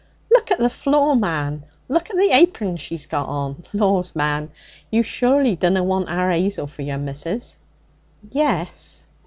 Look at the floor, man! Look at the apern she's got on! Laws, man! you surely dunna want our 'Azel for your missus?' 'Yes.'